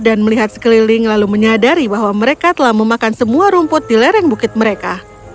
dan melihat sekeliling lalu menyadari bahwa mereka telah memakan semua rumput di lereng bukit mereka